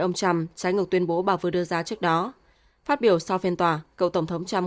ông trump trái ngược tuyên bố bà vừa đưa ra trước đó phát biểu sau phiên tòa cựu tổng thống trump